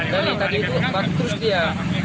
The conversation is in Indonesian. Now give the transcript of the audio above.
deni tadi itu batu terus dia